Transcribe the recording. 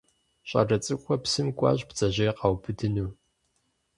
Щӏалэ цӏыкӏухэр псым кӏуащ бдзэжьей къаубыдыну.